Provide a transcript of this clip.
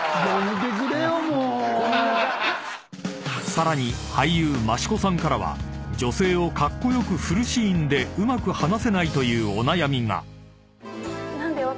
［さらに俳優増子さんからは女性をカッコ良く振るシーンでうまく話せないというお悩みが］